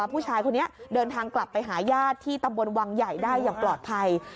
ผู้ชายคนนี้เดินทางกลับไปหาญาติที่ตำบลวังใหญ่ได้อย่างปลอดภัย